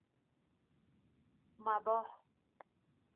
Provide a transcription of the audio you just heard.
مباح